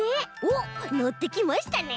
おっのってきましたね。